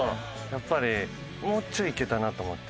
やっぱりもうちょいいけたなと思った。